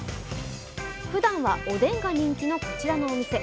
ふだんはおでんが人気のこちらのお店。